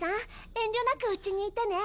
遠慮なくうちにいてね。